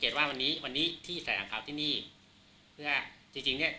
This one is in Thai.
จริงเนี่ย